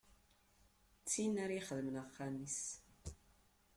D tin ara ixedmen axxam-is.